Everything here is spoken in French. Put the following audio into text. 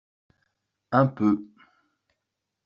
Un peu.